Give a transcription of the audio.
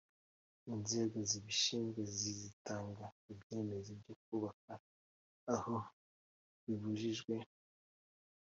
inzego zibishinzwe zitanga ibyemezo byo kubaka aho bibujijwe